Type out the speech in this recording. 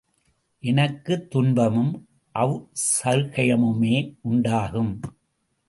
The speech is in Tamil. எனக்குத் துன்பமும் அசெளகர்யமுமே உண்டாகும்.